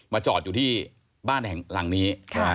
มาจอดอยู่ที่บ้านแห่งหลังนี้